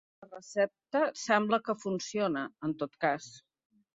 La recepta sembla que funciona, en tot cas.